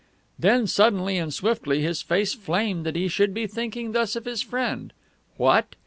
Then, suddenly and swiftly, his face flamed that he should be thinking thus of his friend. What!